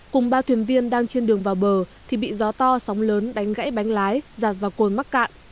cùng ba thuyền viên đang trên đường vào bờ thì bị gió to sóng lớn đánh gãy bánh lái giạt vào cồn mắc cạn